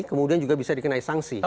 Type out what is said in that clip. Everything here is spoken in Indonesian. kemudian juga bisa dikenai sanksi